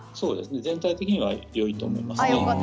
全体的にはよいと思います。